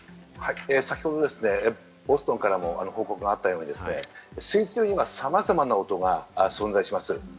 先ほどボストンからも報告があったように、水中にはさまざまな音が存在します。